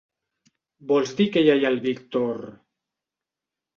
Vols dir que ella i el Víctor...?